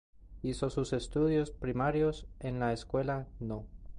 Hizo sus estudios primarios en la Escuela No.